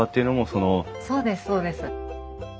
そうですそうです。